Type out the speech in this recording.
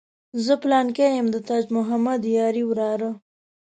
زه پلانکی یم د تاج محمد یاري وراره.